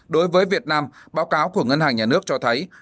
đối với việt nam báo cáo của ngân hàng nhà nước cho thấy